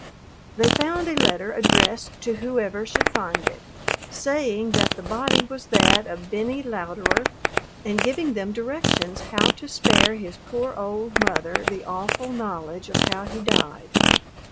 They found a letter addressed to whoever should find it, saying that the body was that of Benny Louderer and giving them directions how to spare his poor old mother the awful knowledge of how he died.